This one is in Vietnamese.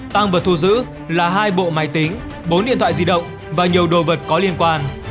tăng vật thu giữ là hai bộ máy tính bốn điện thoại di động và nhiều đồ vật có liên quan